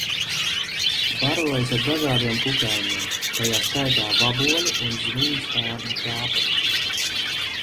Barojas ar dažādiem kukaiņiem, tajā skaitā vaboļu un zvīņspārņu kāpuriem.